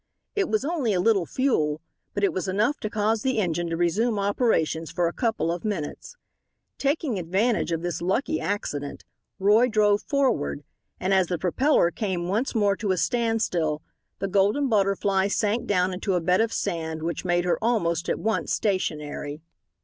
It was only a little fuel, but it was enough to cause the engine to resume operations for a couple of minutes. Taking advantage of this lucky accident, Roy drove forward, and as the propeller came once more to a standstill the Golden Butterfly sank down into a bed of sand which made her almost at once stationary.